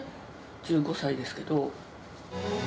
１５歳ですけど。